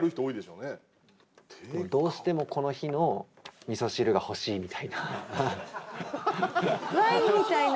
どうしてもこの日のみそ汁が欲しいみたいな。